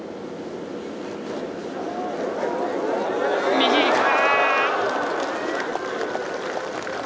右か。